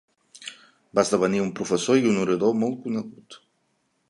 Va esdevenir un professor i un orador molt conegut.